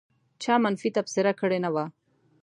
چا منفي تبصره کړې نه وه.